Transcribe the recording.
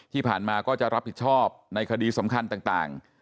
ที่ผ่านมาก็จะรับผิดชอบในคดีสำคัญต่าง